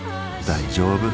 大丈夫。